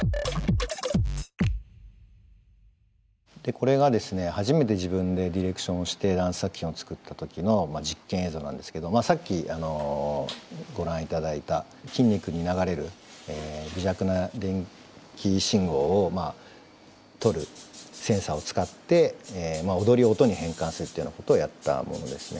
これがですね初めて自分でディレクションをしてダンス作品を作った時の実験映像なんですけどさっきご覧頂いた筋肉に流れる微弱な電気信号をとるセンサーを使って踊りを音に変換するっていうようなことをやったものですね。